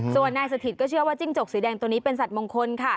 ส่วนนายสถิตก็เชื่อว่าจิ้งจกสีแดงตัวนี้เป็นสัตว์มงคลค่ะ